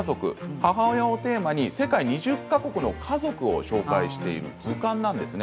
母親をテーマに世界２０か国の家族を紹介している図鑑なんですね。